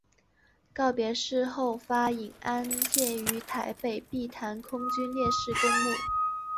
告别式后发引安厝于台北碧潭空军烈士公墓。